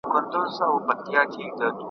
ستا بچي به هم رنګین وي هم ښاغلي `